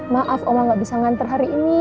maaf oma gak bisa ngantar hari ini